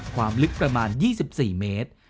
ความลึกประมาณ๒๔เมตร